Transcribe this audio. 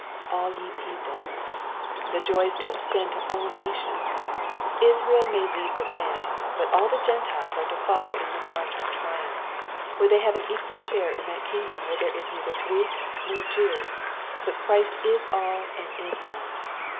"All ■f/a people." The joy is to extend to all nations ; Israel may lead the vaD, but all the Qentiles are to follow in the march of triumph, for they have an equal ehare in that kingdom where there is neither Greek nor Jew, but Christ is all andiDull.